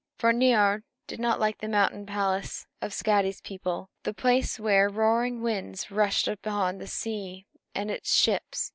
For Niörd did not like the mountain palace of Skadi's people, the place where roaring winds rushed down upon the sea and its ships.